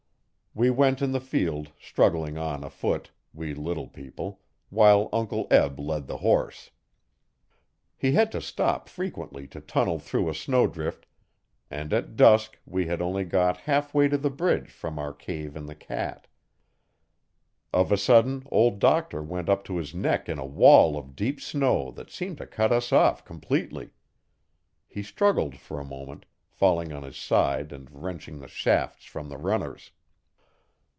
We went in the field, struggling on afoot we little people while Uncle Eb led the horse. He had to stop frequently to tunnel through a snowdrift, and at dusk we had only got half way to the bridge from our cave in the cut. Of a sudden Old Doctor went up to his neck in a wall of deep snow that seemed to cut us off completely. He struggled a moment, falling on his side and wrenching the shafts from the runners.